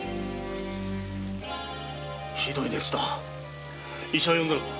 ひどい熱だ医者は呼んだのか？